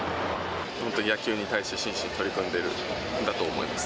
本当に野球に対して真摯に取り組んでるんだと思います。